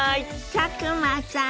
佐久間さん。